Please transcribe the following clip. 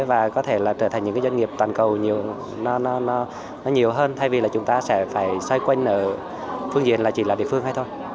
và có thể là trở thành những cái doanh nghiệp toàn cầu nhiều nó nhiều hơn thay vì là chúng ta sẽ phải xoay quanh ở phương diện là chỉ là địa phương hay thôi